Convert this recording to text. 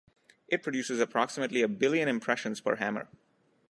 It produces approximately a billion impressions per hammer.